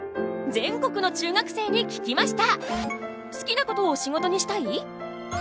全国の中学生に聞きました！